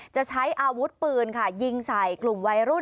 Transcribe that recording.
จะใช้อาวุธปืนค่ะยิงใส่กลุ่มวัยรุ่น